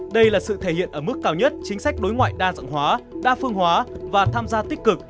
đây là sự thể hiện ở mức cao nhất chính sách đối ngoại đa dạng hóa đa phương hóa và tham gia tích cực